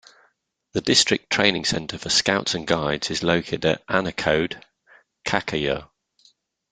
The district training center for Scouts and Guides is located at Annakode, Kakkayur.